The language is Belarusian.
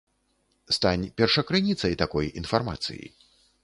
Стань першакрыніцай такой інфармацыі.